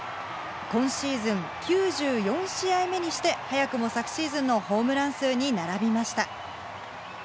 今シーズン９４試合目にして、早くも昨シーズンのホームラン数に並びました。